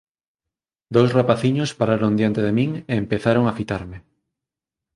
Dous rapaciños pararon diante de min e empezaron a fitarme.